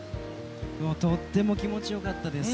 とっても気持ちよかったです。